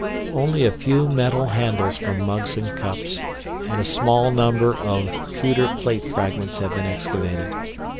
Only a few metal handles from mugs and cups, and a small number of pewter plate fragments, have been excavated.